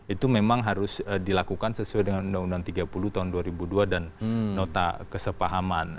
itu memang harus dilakukan sesuai dengan undang undang tiga puluh tahun dua ribu dua dan nota kesepahaman